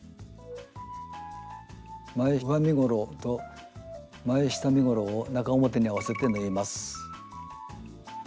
前上身ごろと前下身ごろを中表に合わせて縫います。